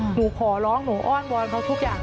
หนูขอร้องหนูอ้อนวอนเขาทุกอย่าง